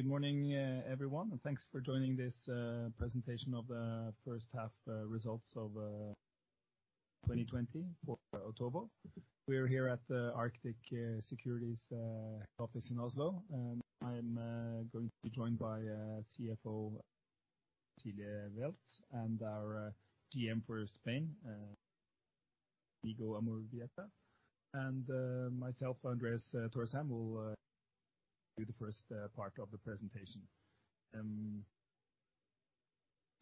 Good morning, everyone, and thanks for joining this presentation of the first half results of 2020 for Otovo. We are here at the Arctic Securities office in Oslo, and I'm going to be joined by CFO, Cecilie Weltz, and our GM for Spain, Íñigo Amoribieta. Myself, Andreas Thorsheim, will do the first part of the presentation.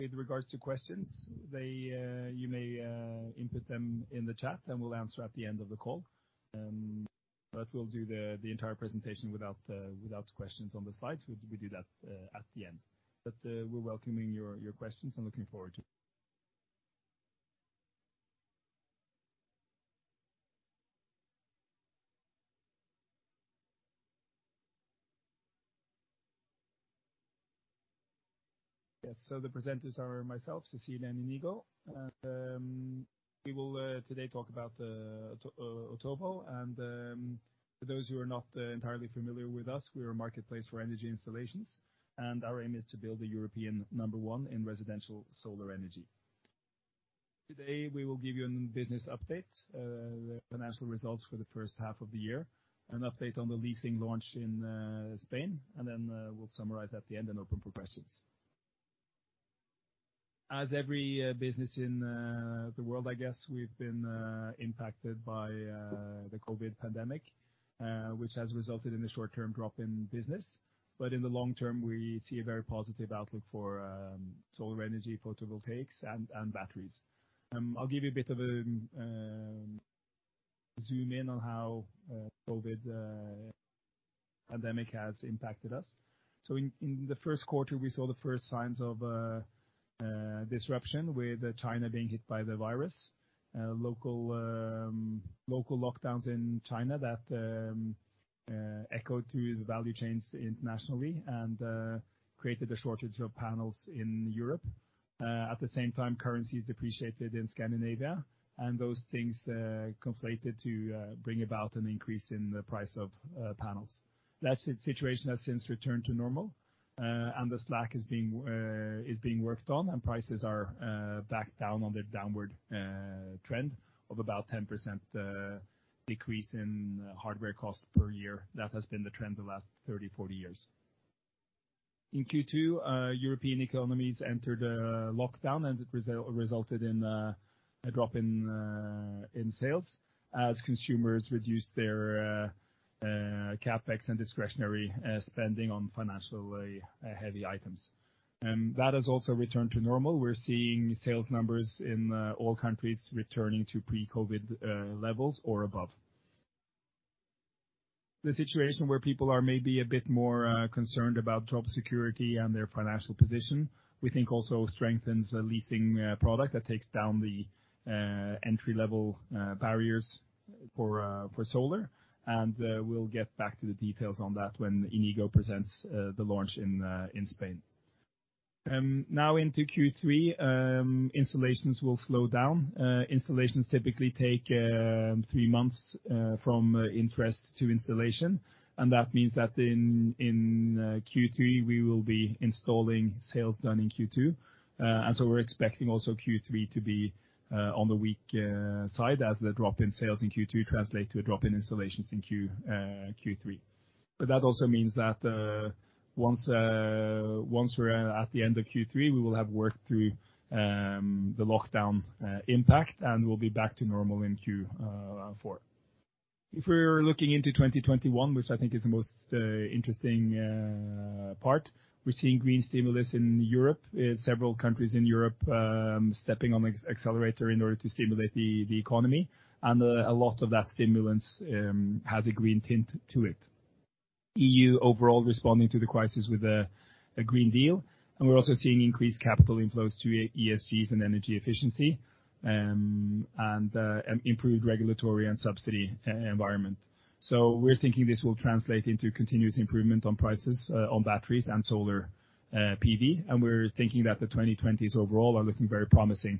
With regards to questions, you may input them in the chat, and we'll answer at the end of the call. We'll do the entire presentation without questions on the slides. We do that at the end. We're welcoming your questions and looking forward to it. Yes. The presenters are myself, Cecilie, and Íñigo. We will today talk about Otovo, and for those who are not entirely familiar with us, we are a marketplace for energy installations, and our aim is to build the European number one in residential solar energy. Today, we will give you a business update, the financial results for the first half of the year, an update on the leasing launch in Spain, and then we'll summarize at the end and open for questions. As every business in the world, I guess, we've been impacted by the COVID pandemic, which has resulted in a short-term drop in business. In the long term, we see a very positive outlook for solar energy, photovoltaics, and batteries. I'll give you a bit of a zoom in on how COVID pandemic has impacted us. In the first quarter, we saw the first signs of disruption with China being hit by the virus, local lockdowns in China that echoed through the value chains internationally and created a shortage of panels in Europe. At the same time, currency depreciated in Scandinavia, and those things conflated to bring about an increase in the price of panels. That situation has since returned to normal, and the slack is being worked on, and prices are back down on their downward trend of about 10% decrease in hardware cost per year. That has been the trend the last 30, 40 years. In Q2, European economies entered a lockdown, and it resulted in a drop in sales as consumers reduced their CapEx and discretionary spending on financially heavy items. That has also returned to normal. We're seeing sales numbers in all countries returning to pre-COVID levels or above. The situation where people are maybe a bit more concerned about job security and their financial position, we think also strengthens the leasing product that takes down the entry-level barriers for solar, and we'll get back to the details on that when Íñigo presents the launch in Spain. Into Q3, installations will slow down. Installations typically take three months from interest to installation, and that means that in Q3, we will be installing sales done in Q2. We're expecting also Q3 to be on the weak side as the drop in sales in Q2 translate to a drop in installations in Q3. That also means that once we're at the end of Q3, we will have worked through the lockdown impact, and we'll be back to normal in Q4. If we're looking into 2021, which I think is the most interesting part, we're seeing green stimulus in Europe. Several countries in Europe stepping on the accelerator in order to stimulate the economy, and a lot of that stimulus has a green tint to it. European Union overall responding to the crisis with a European Green Deal, and we're also seeing increased capital inflows to ESGs and energy efficiency, and improved regulatory and subsidy environment. We're thinking this will translate into continuous improvement on prices on batteries and solar PV, and we're thinking that the 2020s overall are looking very promising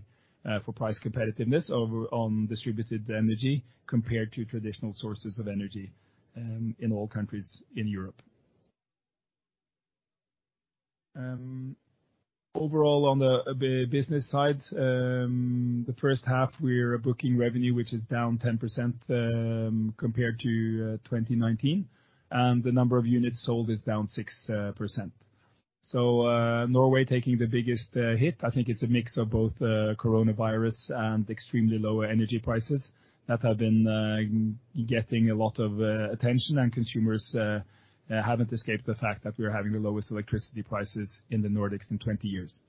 for price competitiveness on distributed energy compared to traditional sources of energy in all countries in Europe. Overall, on the business side, the first half we're booking revenue, which is down 10% compared to 2019, and the number of units sold is down 6%. Norway taking the biggest hit. I think it's a mix of both coronavirus and extremely low energy prices that have been getting a lot of attention, and consumers haven't escaped the fact that we're having the lowest electricity prices in the Nordics in 20 years.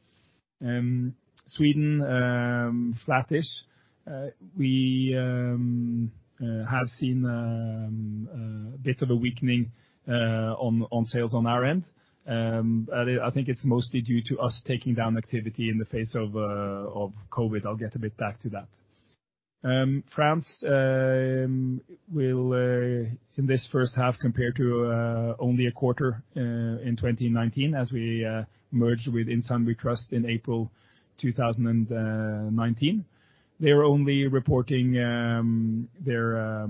Sweden, flattish. We have seen a bit of a weakening on sales on our end. I think it's mostly due to us taking down activity in the face of COVID. I'll get a bit back to that. France will, in this first half compared to only a quarter in 2019 as we merged with In Sun We Trust in April 2019. They're only reporting their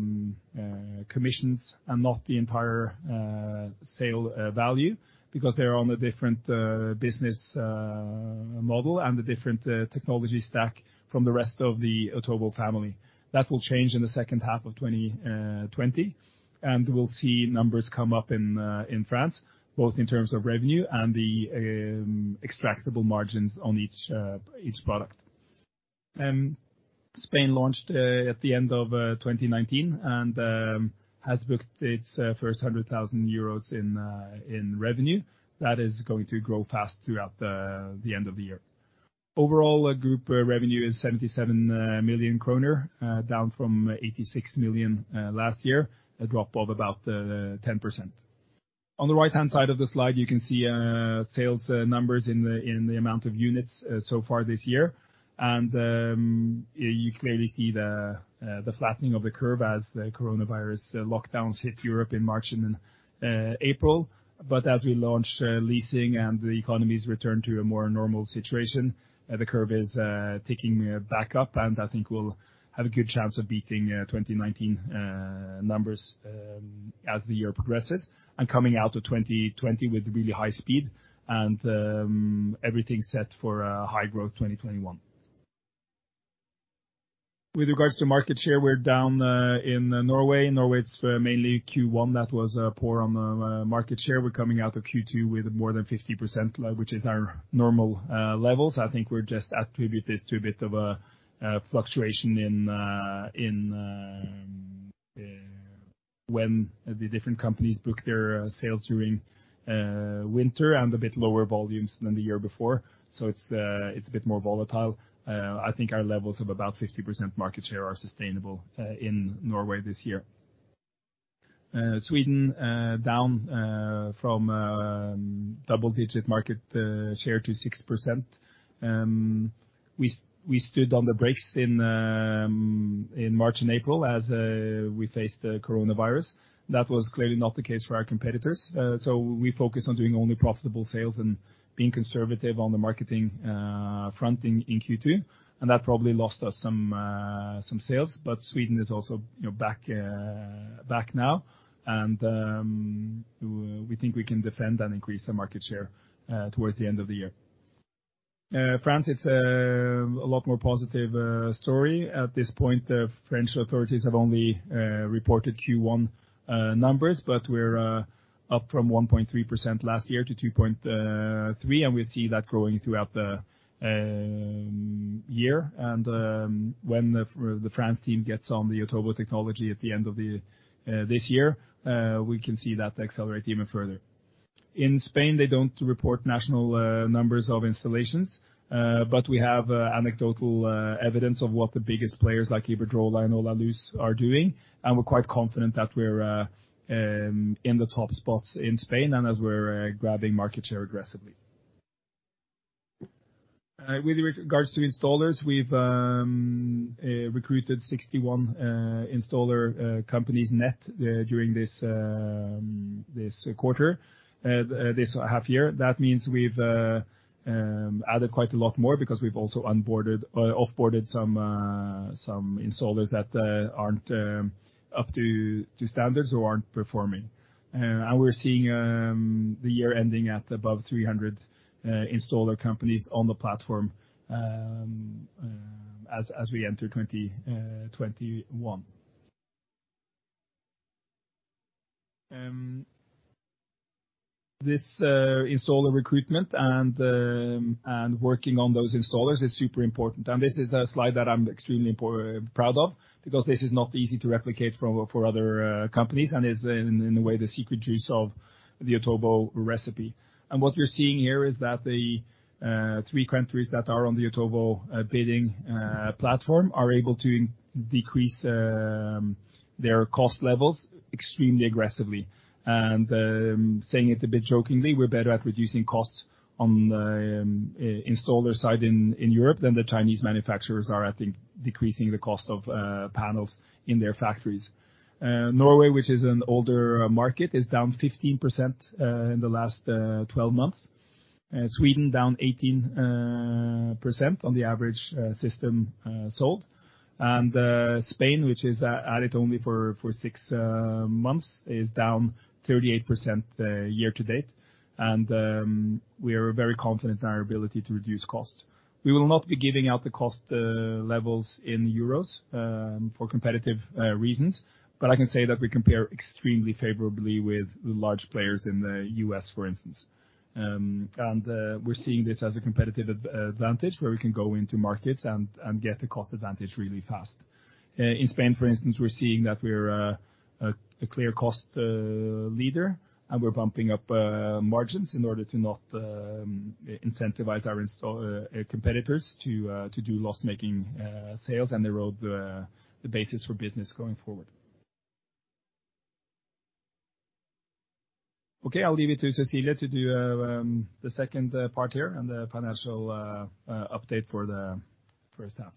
commissions and not the entire sale value, because they're on a different business model and a different technology stack from the rest of the Otovo family. That will change in the second half of 2020, and we'll see numbers come up in France, both in terms of revenue and the extractable margins on each product. Spain launched at the end of 2019 and has booked its first 100,000 euros in revenue. That is going to grow fast throughout the end of the year. Overall, group revenue is 77 million kroner, down from 86 million last year, a drop of about 10%. On the right-hand side of the slide, you can see sales numbers in the amount of units so far this year. You clearly see the flattening of the curve as the coronavirus lockdowns hit Europe in March and April. As we launch leasing and the economies return to a more normal situation, the curve is ticking back up and I think we'll have a good chance of beating 2019 numbers as the year progresses and coming out of 2020 with really high speed and everything set for a high-growth 2021. With regards to market share, we're down in Norway. Norway's mainly Q1 that was poor on the market share. We're coming out of Q2 with more than 50%, which is our normal levels. I think we'll just attribute this to a bit of a fluctuation in when the different companies book their sales during winter and a bit lower volumes than the year before. It's a bit more volatile. I think our levels of about 50% market share are sustainable in Norway this year. Sweden, down from double-digit market share to 6%. We stood on the brakes in March and April as we faced the coronavirus. That was clearly not the case for our competitors. We focused on doing only profitable sales and being conservative on the marketing front in Q2, and that probably lost us some sales, but Sweden is also back now. We think we can defend and increase the market share towards the end of the year. France. It's a lot more positive story. At this point, the French authorities have only reported Q1 numbers, but we're up from 1.3% last year to 2.3%, and we see that growing throughout the year. When the France team gets on the Otovo technology at the end of this year, we can see that accelerate even further. In Spain, they don't report national numbers of installations. We have anecdotal evidence of what the biggest players like Iberdrola and Holaluz are doing, and we're quite confident that we're in the top spots in Spain and as we're grabbing market share aggressively. With regards to installers, we've recruited 61 installer companies net during this quarter, this half year. That means we've added quite a lot more because we've also off-boarded some installers that aren't up to standards or aren't performing. We're seeing the year ending at above 300 installer companies on the platform as we enter 2021. This installer recruitment and working on those installers is super important, and this is a slide that I'm extremely proud of because this is not easy to replicate for other companies and is in a way the secret juice of the Otovo recipe. What you're seeing here is that the three countries that are on the Otovo bidding platform are able to decrease their cost levels extremely aggressively. Saying it a bit jokingly, we're better at reducing costs on the installer side in Europe than the Chinese manufacturers are, I think, decreasing the cost of panels in their factories. Norway, which is an older market, is down 15% in the last 12 months. Sweden down 18% on the average system sold. Spain, which is added only for six months, is down 38% year to date. We are very confident in our ability to reduce cost. We will not be giving out the cost levels in EUR for competitive reasons, but I can say that we compare extremely favorably with the large players in the U.S., for instance. We're seeing this as a competitive advantage where we can go into markets and get the cost advantage really fast. In Spain, for instance, we're seeing that we're a clear cost leader, and we're bumping up margins in order to not incentivize our competitors to do loss-making sales and erode the basis for business going forward. Okay, I'll leave it to Cecilie to do the second part here and the financial update for the first half.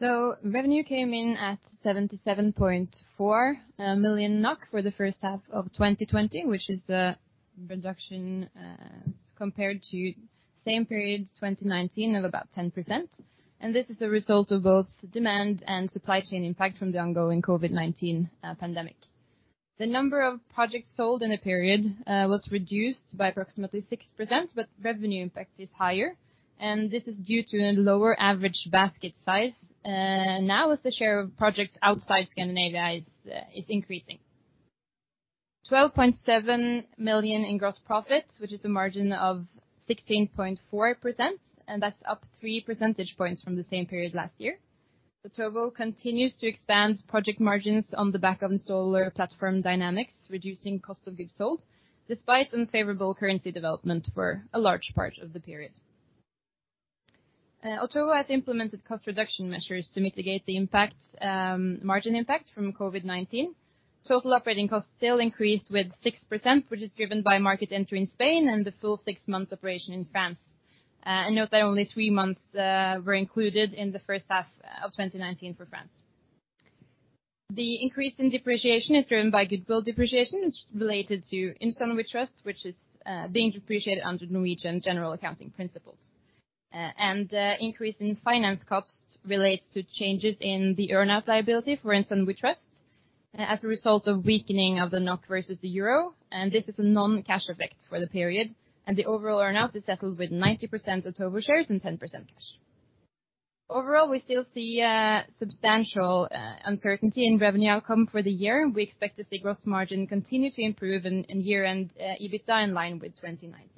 Revenue came in at 77.4 million NOK for the first half of 2020, which is a reduction compared to same period 2019 of about 10%. This is a result of both demand and supply chain impact from the ongoing COVID-19 pandemic. The number of projects sold in the period was reduced by approximately 6%, but revenue impact is higher, and this is due to a lower average basket size. As the share of projects outside Scandinavia is increasing. 12.7 million in gross profits, which is a margin of 16.4%, and that's up three percentage points from the same period last year. Otovo continues to expand project margins on the back of installer platform dynamics, reducing cost of goods sold, despite unfavorable currency development for a large part of the period. Otovo has implemented cost reduction measures to mitigate the margin impact from COVID-19. Total operating costs still increased with 6%, which is driven by market entry in Spain and the full six-month operation in France. Note that only three months were included in the first half of 2019 for France. The increase in depreciation is driven by goodwill depreciation, which is related to In Sun We Trust, which is being depreciated under Norwegian Generally Accepted Accounting Principles. The increase in finance cost relates to changes in the earn out liability for In Sun We Trust as a result of weakening of the NOK versus the EUR, and this is a non-cash effect for the period, and the overall earn out is settled with 90% Otovo shares and 10% cash. Overall, we still see substantial uncertainty in revenue outcome for the year, and we expect to see gross margin continue to improve and year-end EBITDA in line with 2019.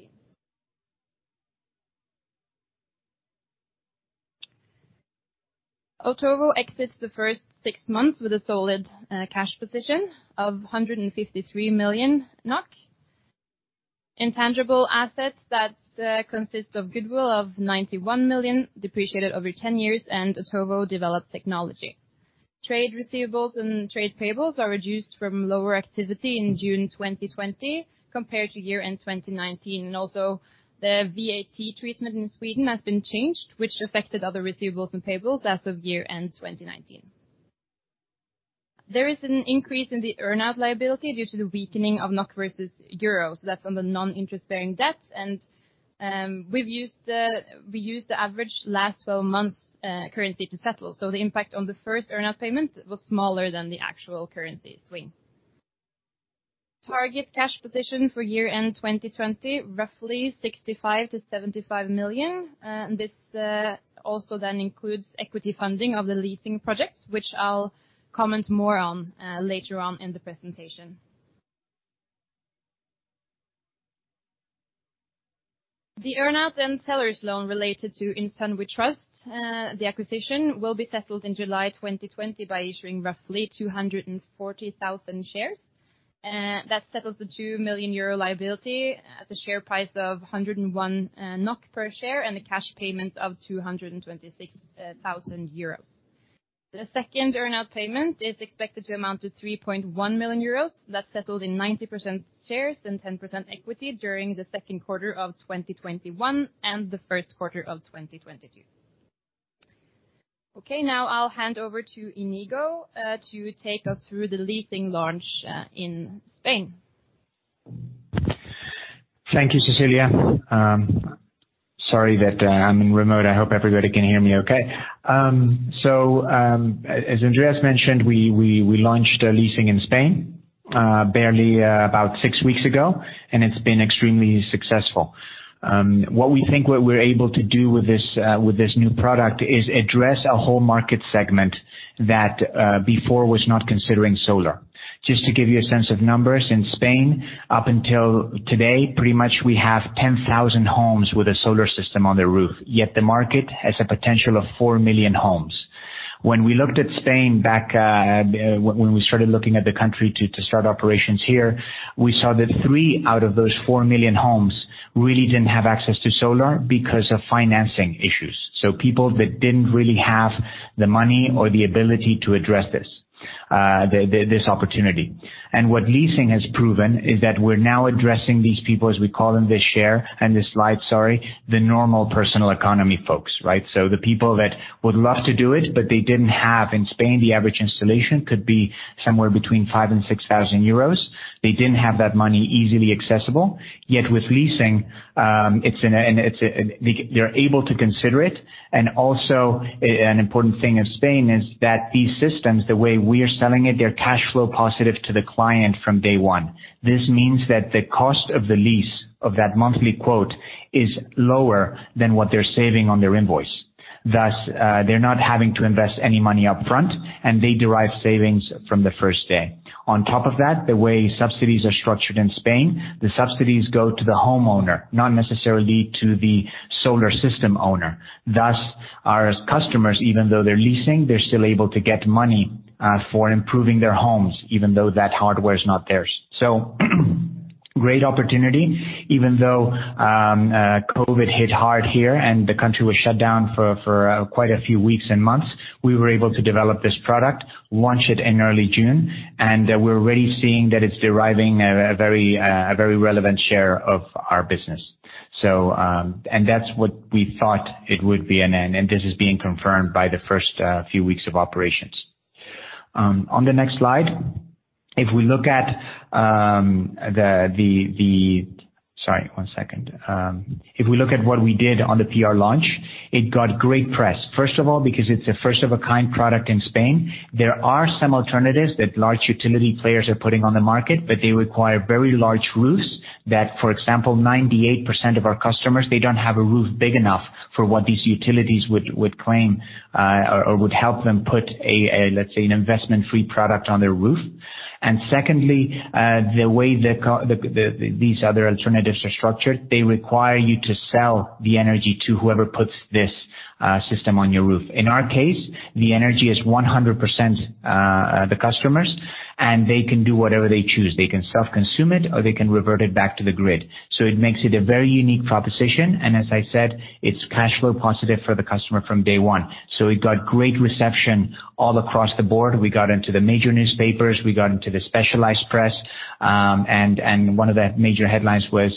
Otovo exits the first six months with a solid cash position of 153 million NOK. Intangible assets that consist of goodwill of 91 million depreciated over 10 years and Otovo developed technology. Trade receivables and trade payables are reduced from lower activity in June 2020 compared to year-end 2019. Also the VAT treatment in Sweden has been changed, which affected other receivables and payables as of year-end 2019. There is an increase in the earn out liability due to the weakening of NOK versus EUR, so that's on the non-interest-bearing debt. We've used the average last 12 months currency to settle, so the impact on the first earn out payment was smaller than the actual currency swing. Target cash position for year-end 2020, roughly 65 million to 75 million. This also then includes equity funding of the leasing projects, which I'll comment more on later on in the presentation. The earn out and sellers loan related to In Sun We Trust. The acquisition will be settled in July 2020 by issuing roughly 240,000 shares. That settles the 2 million euro liability at a share price of 101 NOK per share and a cash payment of 226,000 euros. The second earn out payment is expected to amount to 3.1 million euros. That's settled in 90% shares and 10% equity during the second quarter of 2021 and the first quarter of 2022. I'll hand over to Íñigo, to take us through the leasing launch in Spain. Thank you, Cecilie. Sorry that I'm in remote. I hope everybody can hear me okay. As Andreas mentioned, we launched a leasing in Spain barely about six weeks ago, and it has been extremely successful. What we're able to do with this new product is address a whole market segment that before was not considering solar. Just to give you a sense of numbers, in Spain, up until today, pretty much we have 10,000 homes with a solar system on their roof, yet the market has a potential of four million homes. When we started looking at the country to start operations here, we saw that three out of those four million homes really didn't have access to solar because of financing issues. People that didn't really have the money or the ability to address this opportunity. What leasing has proven is that we're now addressing these people, as we call them, the share, and the slide, sorry, the normal personal economy folks, right? The people that would love to do it, but they didn't have. In Spain, the average installation could be somewhere between 5 and €6,000. They didn't have that money easily accessible. Yet with leasing, they're able to consider it, and also an important thing in Spain is that these systems, the way we are selling it, they're cash flow positive to the client from day one. This means that the cost of the lease of that monthly quote is lower than what they're saving on their invoice. Thus, they're not having to invest any money up front, and they derive savings from the first day. On top of that, the way subsidies are structured in Spain, the subsidies go to the homeowner, not necessarily to the solar system owner. Thus, our customers, even though they're leasing, they're still able to get money for improving their homes, even though that hardware is not theirs. Great opportunity. Even though COVID hit hard here and the country was shut down for quite a few weeks and months, we were able to develop this product, launch it in early June, and we're already seeing that it is deriving a very relevant share of our business. That's what we thought it would be, and this is being confirmed by the first few weeks of operations. On the next slide, if we look at the. Sorry, one second. If we look at what we did on the PR launch, it got great press. First of all, because it is a first-of-its-kind product in Spain. There are some alternatives that large utility players are putting on the market. They require very large roofs that, for example, 98% of our customers, they don't have a roof big enough for what these utilities would claim or would help them put, let's say, an investment-free product on their roof. Secondly, the way these other alternatives are structured, they require you to sell the energy to whoever puts this system on your roof. In our case, the energy is 100% the customers', and they can do whatever they choose. They can self-consume it, or they can revert it back to the grid. It makes it a very unique proposition, and as I said, it is cash flow positive for the customer from day one. It got great reception all across the board. We got into the major newspapers, we got into the specialized press. One of the major headlines was,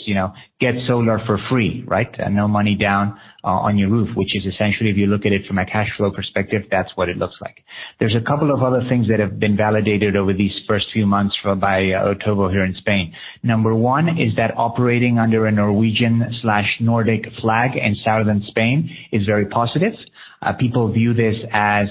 get solar for free, right? No money down on your roof, which is essentially, if you look at it from a cash flow perspective, that's what it looks like. There's a couple of other things that have been validated over these first few months by Otovo here in Spain. Number 1 is that operating under a Norwegian/Nordic flag in Southern Spain is very positive. People view this as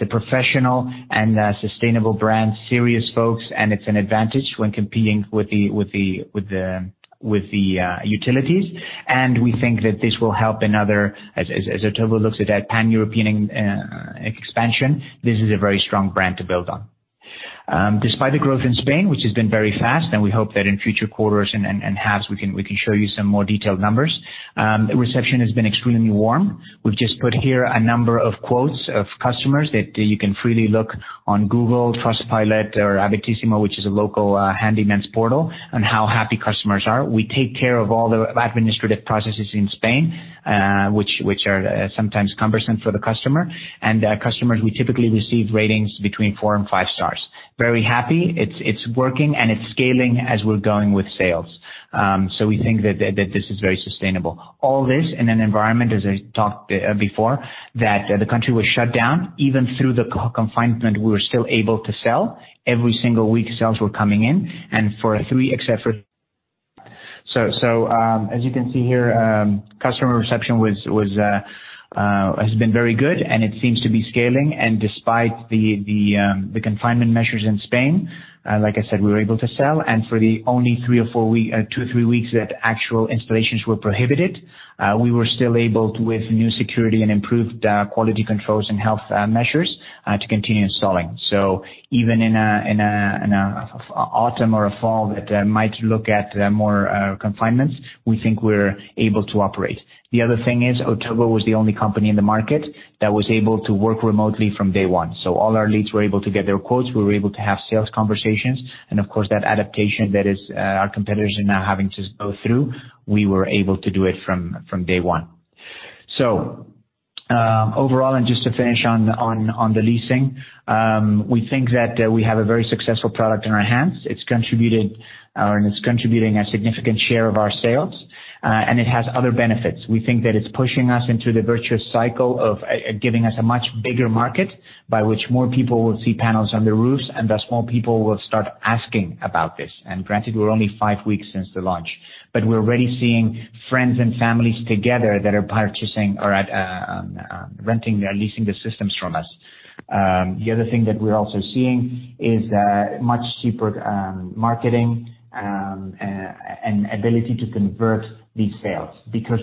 a professional and a sustainable brand, serious folks. It's an advantage when competing with the utilities. We think that this will help another, as Otovo looks at Pan-European expansion, this is a very strong brand to build on. Despite the growth in Spain, which has been very fast, and we hope that in future quarters and halves we can show you some more detailed numbers, reception has been extremely warm. We've just put here a number of quotes of customers that you can freely look on Google, Trustpilot or Habitissimo, which is a local handyman's portal, on how happy customers are. We take care of all the administrative processes in Spain, which are sometimes cumbersome for the customer. Customers, we typically receive ratings between four and five stars. Very happy. It's working, and it's scaling as we're going with sales. We think that this is very sustainable. All this in an environment, as I talked before, that the country was shut down. Even through the confinement, we were still able to sell. Every single week, sales were coming in. As you can see here, customer reception has been very good, and it seems to be scaling. Despite the confinement measures in Spain, like I said, we were able to sell. For the only two to three weeks that actual installations were prohibited, we were still able to, with new security and improved quality controls and health measures, to continue installing. Even in autumn or fall that might look at more confinements, we think we're able to operate. The other thing is, Otovo was the only company in the market that was able to work remotely from day one. All our leads were able to get their quotes, we were able to have sales conversations. Of course, that adaptation that our competitors are now having to go through, we were able to do it from day one. Overall, and just to finish on the leasing, we think that we have a very successful product on our hands. It's contributed, and it's contributing a significant share of our sales, and it has other benefits. We think that it's pushing us into the virtuous cycle of giving us a much bigger market, by which more people will see panels on the roofs, and thus more people will start asking about this. Granted, we're only five weeks since the launch, but we're already seeing friends and families together that are purchasing or are renting, they're leasing the systems from us. The other thing that we're also seeing is much cheaper marketing, and ability to convert these sales.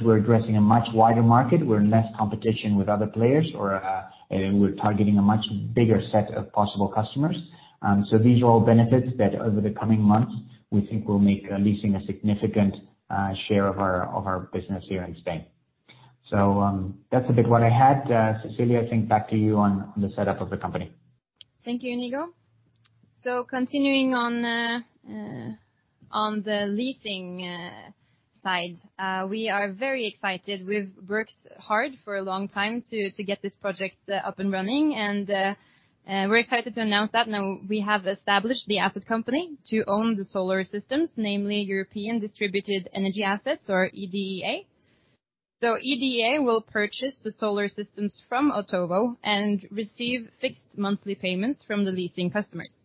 We're addressing a much wider market, we're in less competition with other players, and we're targeting a much bigger set of possible customers. These are all benefits that over the coming months, we think will make leasing a significant share of our business here in Spain. That's a bit what I had. Cecilie, I think back to you on the setup of the company. Thank you, Íñigo. Continuing on the leasing side, we are very excited. We've worked hard for a long time to get this project up and running, and we're excited to announce that now we have established the asset company to own the solar systems, namely European Distributed Energy Assets or EDEA. EDEA will purchase the solar systems from Otovo and receive fixed monthly payments from the leasing customers.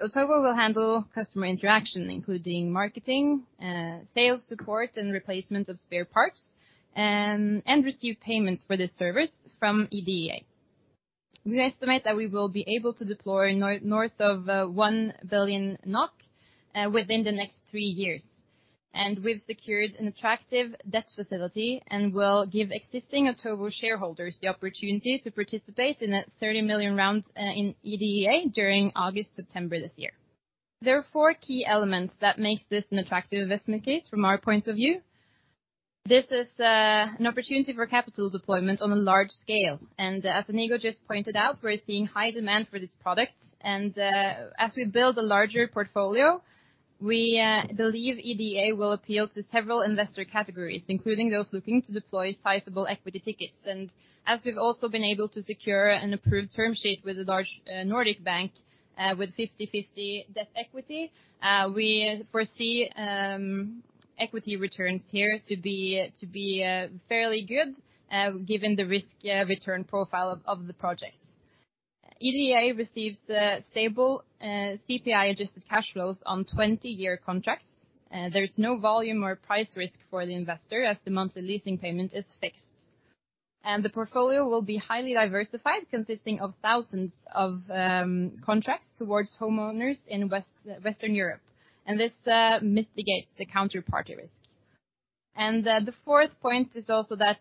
Otovo will handle customer interaction, including marketing, sales support, and replacement of spare parts, and receive payments for this service from EDEA. We estimate that we will be able to deploy north of 1 billion NOK within the next 3 years. We've secured an attractive debt facility and will give existing Otovo shareholders the opportunity to participate in that 30 million rounds in EDEA during August, September this year. There are four key elements that makes this an attractive investment case from our point of view. This is an opportunity for capital deployment on a large scale. As Íñigo just pointed out, we're seeing high demand for this product. As we build a larger portfolio, we believe EDEA will appeal to several investor categories, including those looking to deploy sizable equity tickets. As we've also been able to secure an approved term sheet with a large Nordic bank, with 50/50 debt equity, we foresee equity returns here to be fairly good, given the risk/return profile of the projects. EDEA receives stable CPI-adjusted cash flows on 20-year contracts. There's no volume or price risk for the investor as the monthly leasing payment is fixed. The portfolio will be highly diversified, consisting of thousands of contracts towards homeowners in Western Europe, and this mitigates the counterparty risk. The fourth point is also that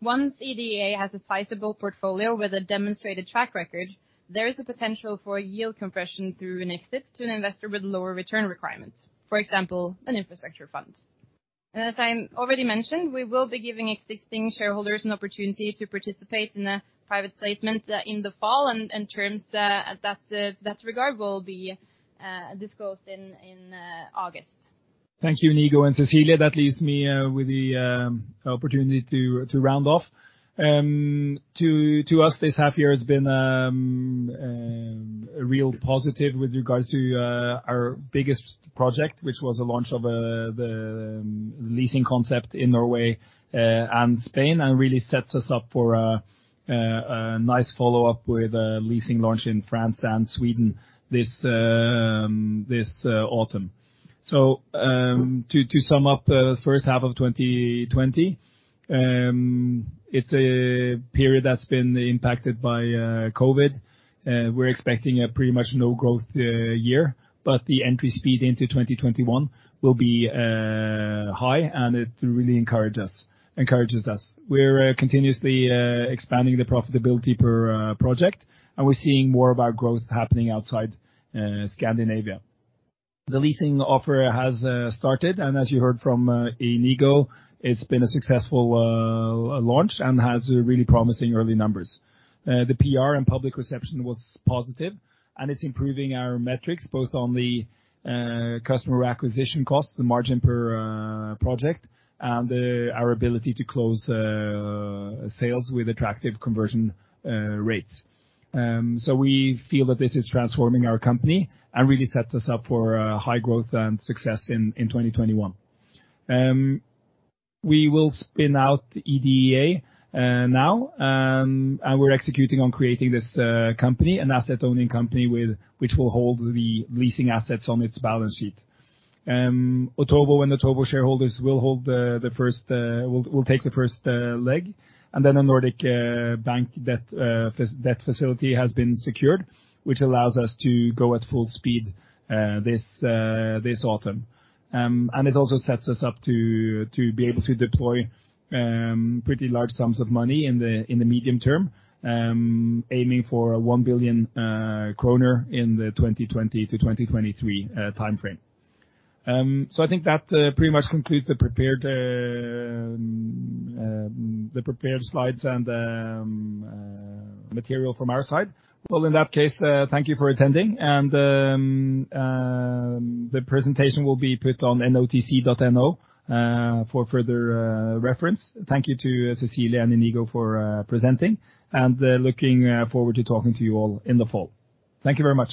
once EDEA has a sizable portfolio with a demonstrated track record, there is a potential for yield compression through an exit to an investor with lower return requirements. For example, an infrastructure fund. As I already mentioned, we will be giving existing shareholders an opportunity to participate in a private placement in the fall, and terms to that regard will be disclosed in August. Thank you, Íñigo and Cecilie. To us, this half year has been a real positive with regards to our biggest project, which was the launch of the leasing concept in Norway and Spain, and really sets us up for a nice follow-up with a leasing launch in France and Sweden this autumn. To sum up the first half of 2020, it is a period that has been impacted by COVID. We are expecting a pretty much no growth year, but the entry speed into 2021 will be high, and it really encourages us. We are continuously expanding the profitability per project, and we are seeing more of our growth happening outside Scandinavia. The leasing offer has started, and as you heard from Íñigo, it has been a successful launch and has really promising early numbers. The PR and public reception was positive, and it is improving our metrics both on the customer acquisition cost, the margin per project, and our ability to close sales with attractive conversion rates. We feel that this is transforming our company and really sets us up for high growth and success in 2021. We will spin out EDEA now, and we are executing on creating this company, an asset-owning company which will hold the leasing assets on its balance sheet. Otovo and Otovo shareholders will take the first leg, and then a Nordic bank debt facility has been secured, which allows us to go at full speed this autumn. It also sets us up to be able to deploy pretty large sums of money in the medium term, aiming for 1 billion kroner in the 2020-2023 timeframe. I think that pretty much concludes the prepared slides and material from our side. Well, in that case, thank you for attending, and the presentation will be put on notc.no for further reference. Thank you to Cecilie and Íñigo for presenting, and looking forward to talking to you all in the fall. Thank you very much.